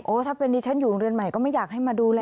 ถ้าเป็นดิฉันอยู่โรงเรียนใหม่ก็ไม่อยากให้มาดูแล